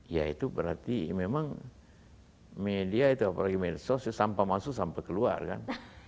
ya itu berarti memang media itu apalagi media sosial sampah masuk sampah keluar kan